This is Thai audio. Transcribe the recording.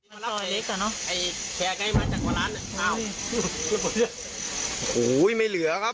ไอ้แคร์ใกล้มาจากกว่านั้นอ้าวโหยไม่เหลือครับ